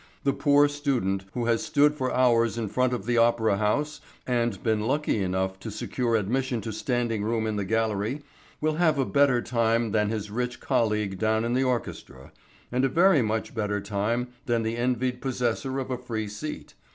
The poor student who has stood for hours in front of the opera house and been lucky enough to secure admission to standing room in the gallery will have a better time than his rich colleague down in the orchestra, and a very much better time than the envied possessor of a free seat.